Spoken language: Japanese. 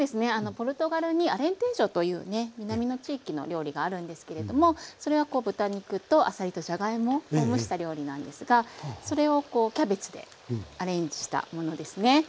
ポルトガルにアレンテージョというね南の地域の料理があるんですけれどもそれは豚肉とあさりとじゃがいもを蒸した料理なんですがそれをキャベツでアレンジしたものですね。